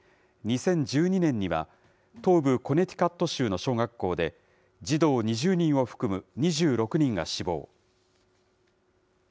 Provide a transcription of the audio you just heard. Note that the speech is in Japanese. ２０１２年には、東部コネティカット州の小学校で、児童２０人を含む２６人が死亡。